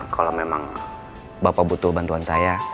kalau memang bapak butuh bantuan saya